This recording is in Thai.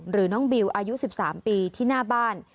หรือน้องบิวอายุ๑๓ปีที่หน้าบ้าน